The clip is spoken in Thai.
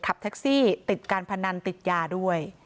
ขับแท็กซี่ติดการพนันติดยาด้วย